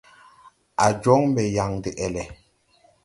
A joŋ mbe yaŋ de ɛlɛ.